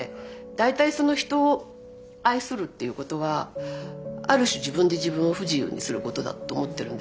大体人を愛するっていうことはある種自分で自分を不自由にすることだと思ってるんですよね。